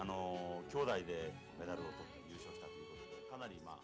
兄弟でメダルを取って優勝したということでかなりまあ